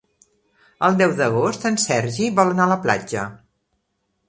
El deu d'agost en Sergi vol anar a la platja.